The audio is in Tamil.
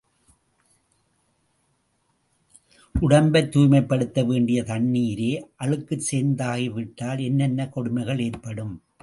உடம்பைத் தூய்மைப்படுத்த வேண்டிய தண்ணீரே அழுக்குச் சேர்ந்தாகிவிட்டால் என்னென்ன கொடுமைகள் ஏற்படும்?